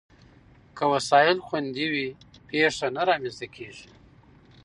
که وسایل خوندي وي، پېښه نه رامنځته کېږي.